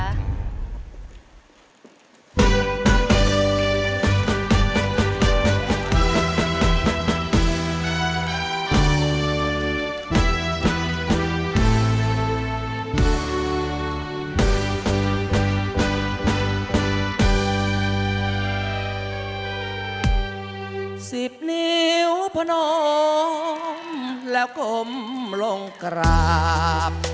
สิบนิ้วพนมแล้วกลมลงกราบ